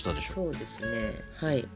そうですねはい。